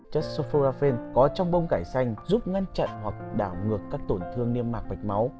chất soforraffel có trong bông cải xanh giúp ngăn chặn hoặc đảo ngược các tổn thương niêm mạc mạch máu